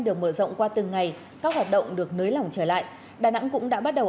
được mở rộng qua từng ngày các hoạt động được nới lỏng trở lại đà nẵng cũng đã bắt đầu